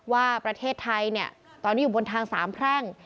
ว่าประเทศไทยตอนนี้อยู่บนทางสามแพร่ง